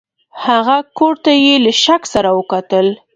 هغه کوټ ته یې له شک سره وکتل.